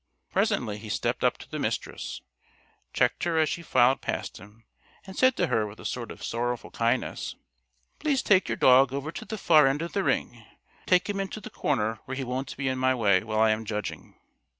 Presently he stepped up to the Mistress, checked her as she filed past him, and said to her with a sort of sorrowful kindness: "Please take your dog over to the far end of the ring. Take him into the corner where he won't be in my way while I am judging."